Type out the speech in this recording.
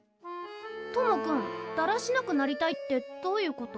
友くんだらしなくなりたいってどういうこと？